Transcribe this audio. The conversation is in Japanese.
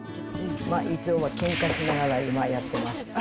いつもはけんかしながらやってます。